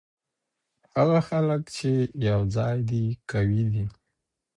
هغه خلګ چي یو ځای دي قوي دي.